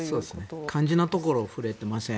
肝心なところ触れていません。